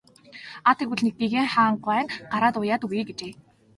Аа тэгвэл гэгээн хаан гуай нь гараад уяад өгье гэжээ.